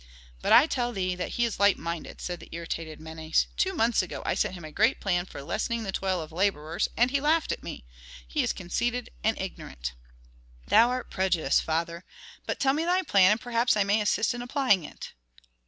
"But I tell thee that he is light minded," said the irritated Menes. "Two months ago I sent him a great plan for lessening the toil of laborers, and he laughed at me. He is conceited and ignorant!" "Thou art prejudiced, father. But tell me thy plan and perhaps I may assist in applying it."